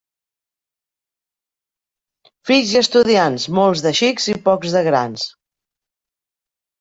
Fills i estudiants, molts de xics i pocs de grans.